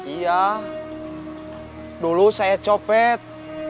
iya dulu saya copet